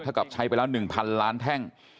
ถ้ากับใช้ไปแล้ว๑๐๐ล้านแท่ง